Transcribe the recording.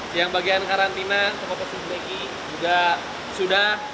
sekarang karantina pokok pokok sudah